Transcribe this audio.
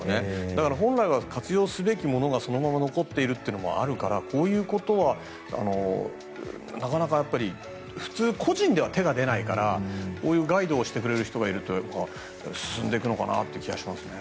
だから、本来は活用すべきものがそのまま残ってるってこともあるからこういうことはなかなか普通、個人では手が出ないから、こういうガイドをしてくれる人がいると進んでいくのかなという気がしますね。